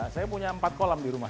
saya punya empat kolam di rumah